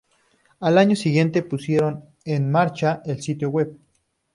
Al año siguiente, pusieron en marcha el sitio web.